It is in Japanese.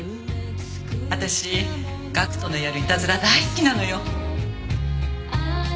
私岳人のやるイタズラ大好きなのよ。